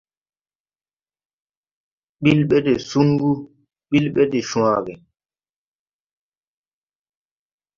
Bil ɓɛ de sungu, bil ɓɛ de sùwàare.